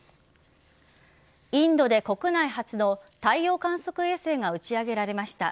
インドで国内初の太陽観測衛星が打ち上げられました。